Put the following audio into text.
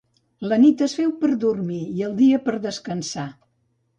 La nit es feu per a dormir i el dia per a descansar.